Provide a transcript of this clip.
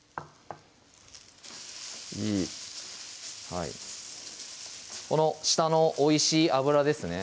はいこの下のおいしい油ですね